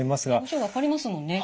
表情分かりますもんね。